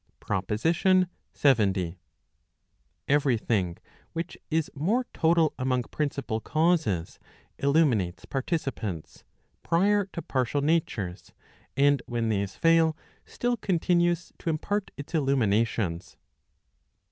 PROPOSITION LXX. Every thing which is more total among principal causes, illuminates participants, prior to partial natures, and when these fail, still continues to impart its illuminations.